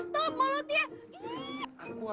kalau mau bersih tutup mulutnya